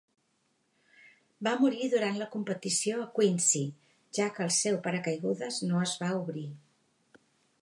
Va morir durant la competició a Quincy, ja que el seu paracaigudes no es va obrir.